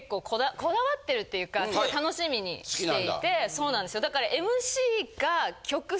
そうなんですよだから。